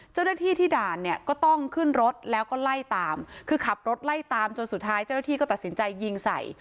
เจ้าหน้าที่ที่ด่านเนี่ยก็ต้องขึ้นรถแล้วก็ไล่ตามคือขับรถไล่ตามจนสุดท้ายเจ้าหน้าที่ก็ตัดสินใจยิงใส่